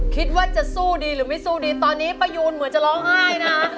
คิดว่าจะสู้ดีหรือไม่สู้ดีตอนนี้ป้ายูนเหมือนจะร้องไห้นะฮะ